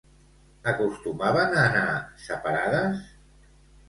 Acostumaven a anar separades?